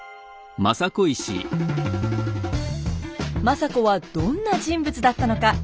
政子はどんな人物だったのか。